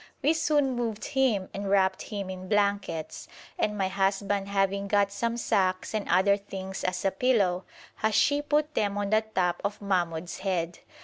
We soon moved him and wrapped him in blankets, and my husband having got some sacks and other things as a pillow, Hashi put them on the top of Mahmoud's head.